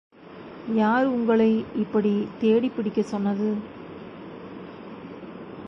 யார் உங்களை இப்படித் தேடிப்பிடிக்கச் சொன்னது?